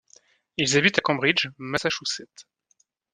Ils habitent à Cambridge, Massachusetts.